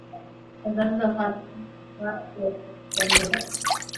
زردالو د افغانستان هېواد یوه طبیعي ځانګړتیا ده.